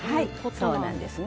そうなんです。